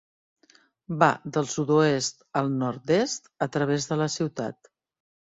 Va del sud-oest al nord-est a través de la ciutat.